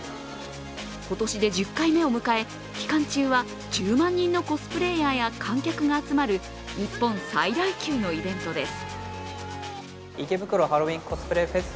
今年で１０回目を迎え、期間中は１０万人のコスプレーヤーや観客が集まる日本最大級のイベントです。